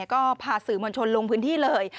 ก็พาสื่อมวลชนลงพื้นที่เลย